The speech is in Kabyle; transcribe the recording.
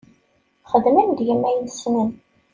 Xedmen deg-m ayen i ssnen.